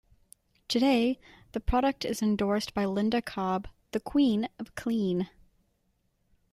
Today, the product is endorsed by Linda Cobb, the Queen of Clean.